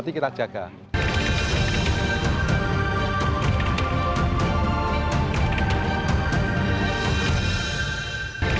tidak ada bagian kita yang bisa dilihat